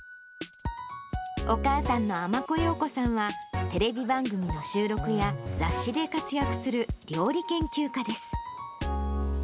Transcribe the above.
お母さんのあまこようこさんは、テレビ番組の収録や雑誌で活躍する料理研究家です。